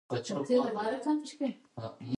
احمد شاه بابا د ولس غوښتنو ته درناوی کاوه.